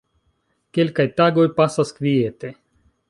Kelkaj tagoj pasas kviete.